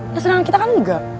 nah sedangkan kita kan enggak